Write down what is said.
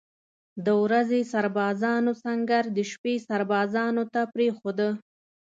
د ورځې سربازانو سنګر د شپې سربازانو ته پرېښوده.